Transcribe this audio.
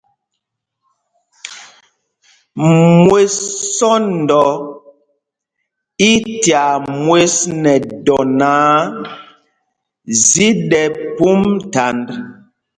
Mwes sɔ́ndɔ i tyaa mwes nɛ dɔ náǎ, zi ɗɛ́ phûm thand.